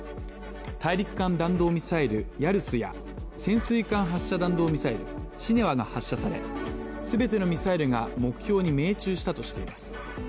大陸間弾道ミサイル・ヤルスや潜水艦発射弾道ミサイル・シネワが発射され全てのミサイルが目標に命中したとしています